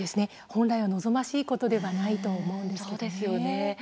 本来は望ましいことではないと思うんですけれどもね。